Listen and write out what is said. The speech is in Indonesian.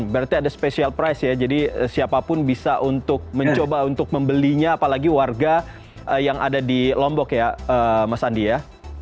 berarti ada special price ya jadi siapapun bisa untuk mencoba untuk membelinya apalagi warga yang ada di lombok ya mas andi ya